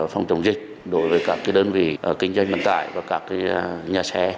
phòng chống dịch đối với các đơn vị kinh doanh vận tải và các nhà xe